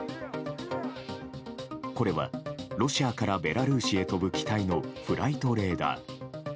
これはロシアからベラルーシへ飛ぶ機体のフライトレーダー。